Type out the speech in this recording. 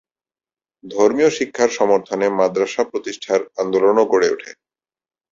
ধর্মীয় শিক্ষার সমর্থনে মাদ্রাসা প্রতিষ্ঠার আন্দোলনও গড়ে ওঠে।